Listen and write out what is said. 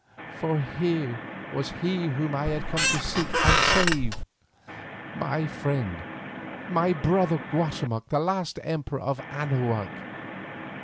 For here was he whom I had come to seek and save, my friend, my brother, Guatemoc the last emperor of Anahuac.